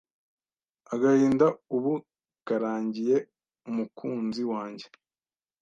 Agahinda ubu karangiye mukunzi wanjye